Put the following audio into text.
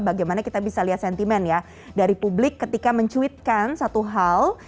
bagaimana kita bisa lihat sentimen ya dari publik ketika mencuitkan satu hal